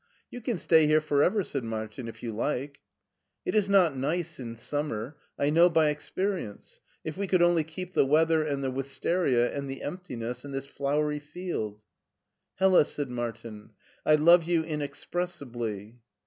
" You can stay here for ever," said Martin, " if you like." It is not nice in summer, I know by experience ! If we could only keep the weather, and the wistaria, and the emptiness, and this flowery field !"Hella," said Martin, "I love you inexpressibly."